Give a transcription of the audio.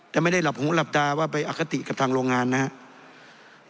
แต่ไม่ได้หลับหูหลับตาว่าไปอคติกับทางโรงงานนะครับ